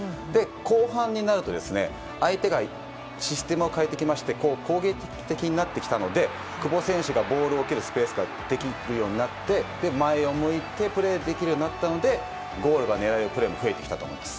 後半になると、相手がシステムを変えてきまして攻撃的になってきたので久保選手がボールを蹴るスぺースができるようになって前を向いてプレーできるようになったのでゴールが狙えるプレーも増えてきたと思います。